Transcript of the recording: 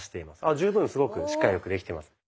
十分すごくしっかりよくできてます。